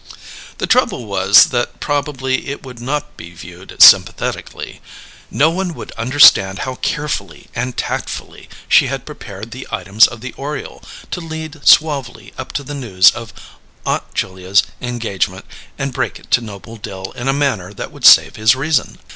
The trouble was that probably it would not be viewed sympathetically. No one would understand how carefully and tactfully she had prepared the items of the Oriole to lead suavely up to the news of Aunt Julia's engagement and break it to Noble Dill in a manner that would save his reason.